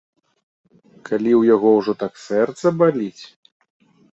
Калі ў яго ўжо так сэрца баліць?